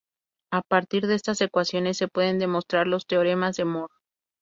A partir de estas ecuaciones se pueden demostrar los teoremas de Mohr.